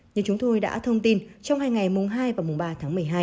như chúng tôi đã thông tin trong hai ngày mùng hai và mùng ba tháng một mươi hai